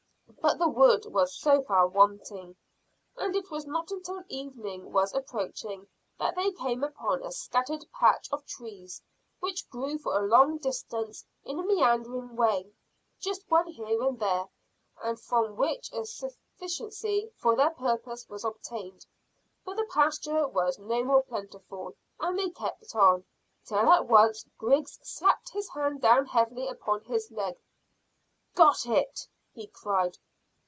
But the wood was so far wanting, and it was not until evening was approaching that they came upon a scattered patch of trees, which grew for a long distance in a meandering way, just one here and there, and from which a sufficiency for their purpose was obtained; but the pasture was no more plentiful, and they kept on, till all at once Griggs slapped his hand down heavily upon his leg. "Got it!" he cried.